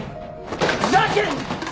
ふざけんなよ！